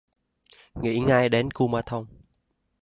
Nghĩ ngay đến kumanthong